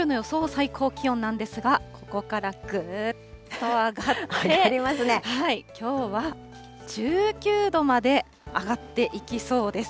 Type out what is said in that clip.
最高気温なんですが、ここからぐーっと上がって、きょうは１９度まで上がっていきそうです。